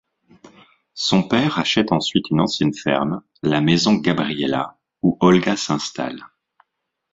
Son père achète ensuite une ancienne ferme, la maison Gabriella, où Olga s'installe.